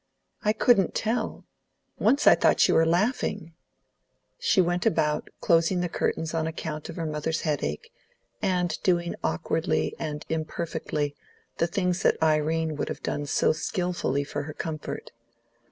"I couldn't tell. Once I thought you were laughing." She went about, closing the curtains on account of her mother's headache, and doing awkwardly and imperfectly the things that Irene would have done so skilfully for her comfort.